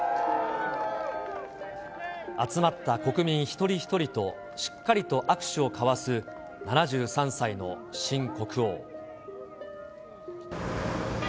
集まった国民一人一人としっかりと握手を交わす７３歳の新国王。